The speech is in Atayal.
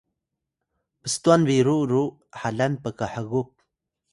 pstwan biru ru halan pkhgup